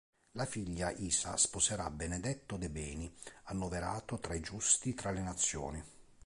La figlia Isa sposerà Benedetto De Beni annoverato tra i Giusti tra le nazioni.